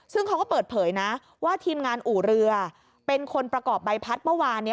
ซึ่งเขาก็เปิดเผยนะว่าทีมงานอู่เรือเป็นคนประกอบใบพัดเมื่อวานนี้